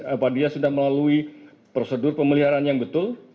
apa dia sudah melalui prosedur pemeliharaan yang betul